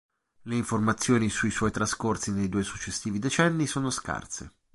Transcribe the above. Le informazioni sui suoi trascorsi nei due successivi decenni sono scarse.